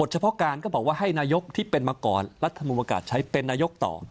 จะให้นายกที่เป็นมาก่อนรัฐมงบกาลใช้เป็นนายกต่อ